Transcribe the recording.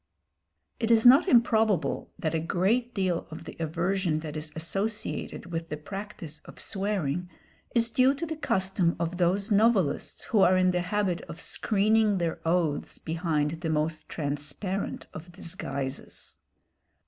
It is not improbable that a great deal of the aversion that is associated with the practice of swearing is due to the custom of those novelists who are in the habit of screening their oaths behind the most transparent of disguises.